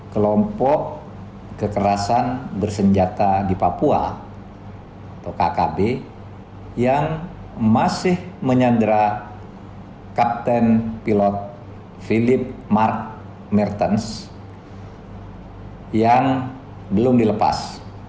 kelompok kekerasan bersenjata di papua atau kkb yang masih menyandra kapten pilot philip mark mertens yang belum dilepas